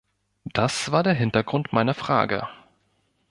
Das war der Hintergrund meiner Frage.